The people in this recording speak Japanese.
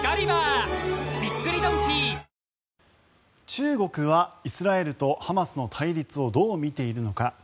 中国はイスラエルとハマスの対立をどう見ているのか。